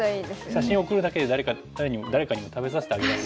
写真送るだけで誰かにも食べさせてあげられるとね。